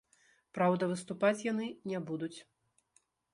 Праўда, выступаць яны не будуць.